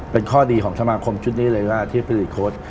เป็นข้อดีของสมาคมชุดนี้เลยว่าที่ผลิตโค้ด